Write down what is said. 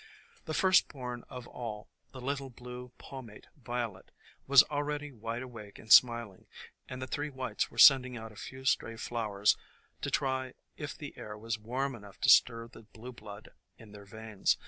The first born of all, the little Blue Palmate 22 THE COMING OF SPRING Violet, was already wide awake and smiling, and the three Whites were sending out a few stray flow ers to try if the air was warm enough to stir the blue blood in their veins.